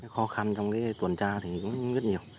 khó khăn trong tuần tra thì rất nhiều